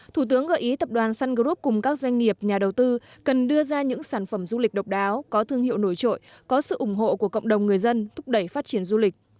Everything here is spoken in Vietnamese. thủ tướng gợi ý tập đoàn sun group cùng các doanh nghiệp nhà đầu tư cần đưa ra những sản phẩm du lịch độc đáo có thương hiệu nổi trội có sự ủng hộ của cộng đồng người dân thúc đẩy phát triển du lịch